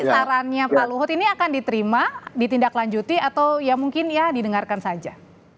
sarannya pak luhut ini akan diterima ditindaklanjuti atau ya mungkin ya didengarkan saja